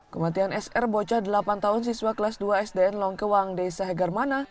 kematian sr bocah delapan tahun siswa kelas dua sdn longkewang desa hegermana